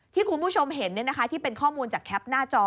ที่คุณผู้ชมเห็นที่เป็นข้อมูลจากแคปหน้าจอ